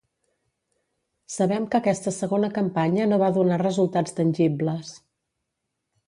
Sabem que aquesta segona campanya no va donar resultats tangibles.